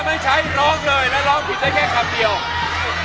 ไม่ใช้ร้องเลยและร้องผิดได้แค่คำเดียว